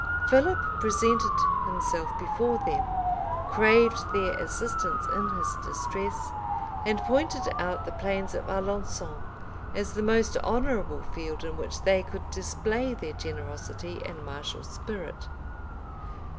Philip presented himself before them; craved their assistance in his distress; and pointed out the plains of Alençon, as the most honorable field in which they could display their generosity and martial spirit.